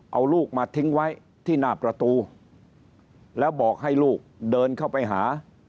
เอาลูกมาทิ้งไว้ที่หน้าประตูแล้วบอกให้ลูกเดินเข้าไปหา